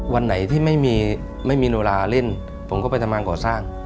วันไหนที่ไม่มีไม่มีโนราเล่นผมก็ไปทำงานก่อสร้าง